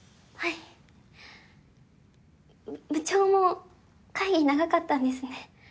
い部長も会議長かったんですね